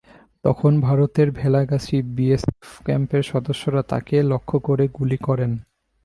তখন ভারতের ভেলাগাছি বিএসএফ ক্যাম্পের সদস্যরা তাঁকে লক্ষ্য করে গুলি করেন।